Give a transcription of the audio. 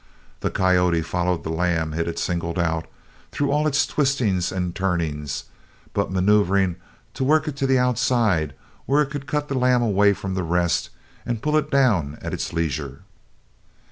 The coyote followed the lamb it had singled out, through all its twistings and turnings, but maneuvering to work it to the outside where it could cut the lamb away from the rest and pull it down at its leisure.